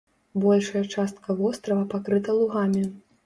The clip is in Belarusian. Большая частка вострава пакрыта лугамі.